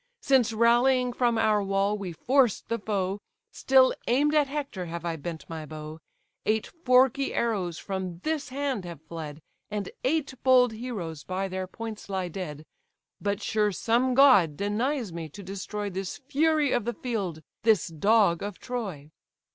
Since rallying from our wall we forced the foe, Still aim'd at Hector have I bent my bow: Eight forky arrows from this hand have fled, And eight bold heroes by their points lie dead: But sure some god denies me to destroy This fury of the field, this dog of Troy."